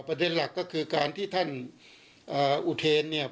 ประเด็นหลักก็คือการที่ท่านอุเทนเนี่ย